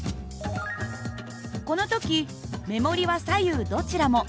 この時目盛りは左右どちらも２．５Ｎ。